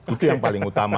itu yang paling utama